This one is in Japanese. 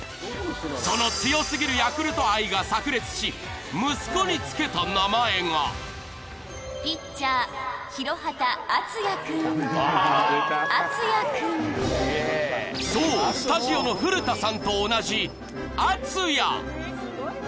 その強すぎるヤクルト愛が炸裂し息子につけた名前がそう、スタジオの古田さんと同じ敦也！